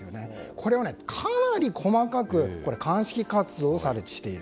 これはかなり細かく鑑識活動をしている。